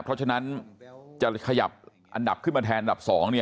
เพราะฉะนั้นจะขยับอันดับขึ้นมาแทนอันดับ๒